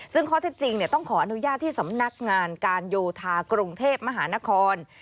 ซึ่งข้อเท็จจริงต้องขออนุญาตที่สำนักงานการโยธากรุงเทพมหานคร